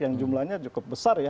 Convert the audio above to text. yang jumlahnya cukup besar ya